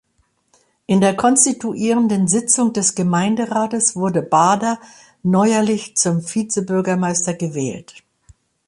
In der konstituierenden Sitzung des Gemeinderats wurde Bader neuerlich zum Vizebürgermeister gewählt.